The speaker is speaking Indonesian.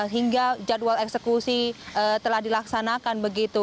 hingga jadwal eksekusi telah dilaksanakan begitu